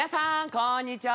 こんにちは。